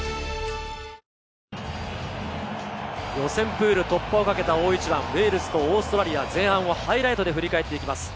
プール突破をかけた大一番、ウェールズとオーストラリア、前半をハイライトで振り返っていきます。